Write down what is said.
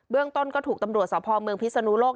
เรื่องต้นก็ถูกตำรวจสพเมืองพิศนุโลก